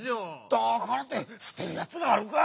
だからってすてるやつがあるかよ！